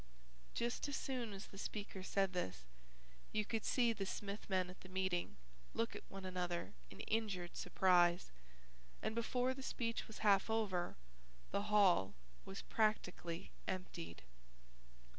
Just as soon as the speaker said this, you could see the Smith men at the meeting look at one another in injured surprise, and before the speech was half over the hall was practically emptied.